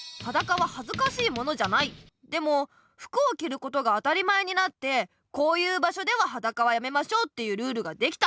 本来でも服をきることが当たり前になってこういう場所でははだかはやめましょうというルールができた。